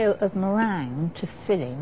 はい。